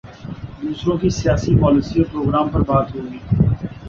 دوسروں کی سیاسی پالیسی اور پروگرام پر بات ہو گی۔